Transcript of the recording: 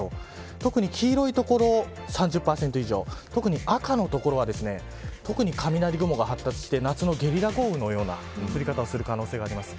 特に黄色い所は３０％以上赤の所は特に雷雲が発達して夏のゲリラ豪雨のような降り方をする可能性があります。